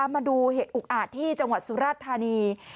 มาดูเหตุอุกอาจที่จังหวัดสุราชธานี